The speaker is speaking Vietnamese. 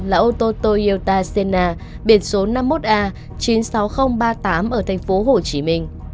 là ô tô toyota senna biển số năm mươi một a chín mươi sáu nghìn ba mươi tám ở tp hcm